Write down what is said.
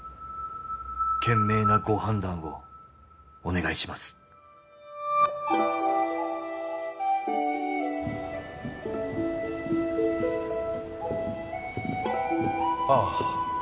賢明なご判断をお願いしますああ